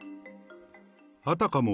あたかも